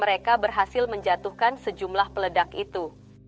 mereka berhasil menjatuhkan sejumlah peledak itu